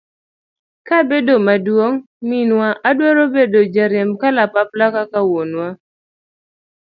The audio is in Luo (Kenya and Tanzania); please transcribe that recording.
kabedo maduong' minwa adwaro bedo jariemb kalapapla kaka wuonwa.